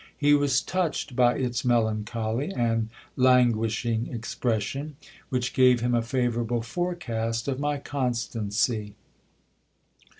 He was touched by its melancholy and languishing expression, which gave him a favourable forecast of my constancy.